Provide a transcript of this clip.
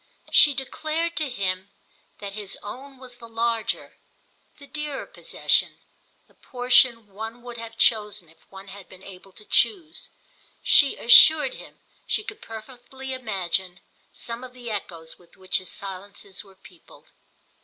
She declared to him that his own was the larger, the dearer possession—the portion one would have chosen if one had been able to choose; she assured him she could perfectly imagine some of the echoes with which his silences were peopled.